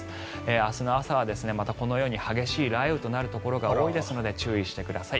明日の朝は、またこのように激しい雷雨となるところが多いですので注意してください。